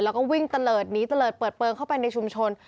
แล้วก็วิ่งตะเลิศหนีเตลิดเปิดเปลืองเข้าไปในชุมชน